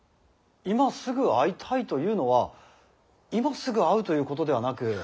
今すぐ会いたいというのは今すぐ会うということではなく。